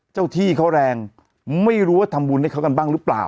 ที่เขาแรงไม่รู้ว่าทำบุญให้เขากันบ้างหรือเปล่า